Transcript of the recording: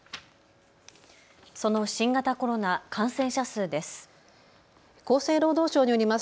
その新型コロナ、感染者数です。